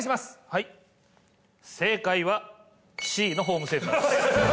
はい正解はＣのホームセンターです。